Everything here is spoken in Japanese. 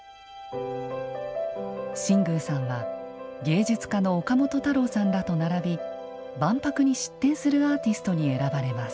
新宮さんは芸術家の岡本太郎さんらと並び万博に出展するアーティストに選ばれます。